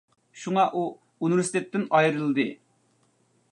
شۇڭا ئۇ ئۇنىۋېرسىتېتتىن ئايرىلدى.